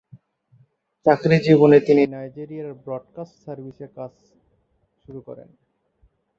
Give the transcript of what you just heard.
চাকরি জীবনে তিনি নাইজেরিয়ার ব্রডকাস্ট সার্ভিসে কাজ শুরু করেন।